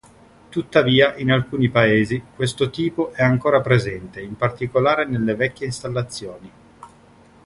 Tuttavia, in alcuni Paesi, questo tipo è ancora presente, in particolare nelle vecchie installazioni.